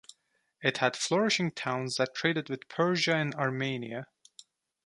It had flourishing towns that traded with Persia and Armenia.